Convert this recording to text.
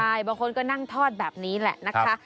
ใช่บางคนก็นั่งทอดแบบนี้แหละนะคะ